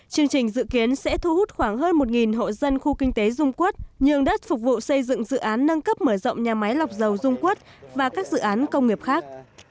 chương trình dự kiến sẽ thu hút khoảng hơn một hộ dân khu kinh tế dung quốc nhường đất phục vụ xây dựng dự án nâng cấp mở rộng nhà máy lọc dầu dung quất và các dự án công nghiệp khác